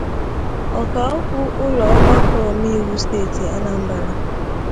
Ọkaokwu ụlọ ọgbakọ omeiwu steeti Anambra